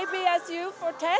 có thể như các bạn